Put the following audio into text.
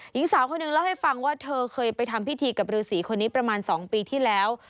หญิงสาวคนหนึ่งเล่าให้ฟังว่าเธอเคยไปทำพิธีกับฤษีคนนี้ประมาณ๒ปีที่แล้ว